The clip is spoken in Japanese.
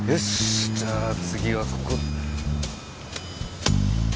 じゃあ次はここ。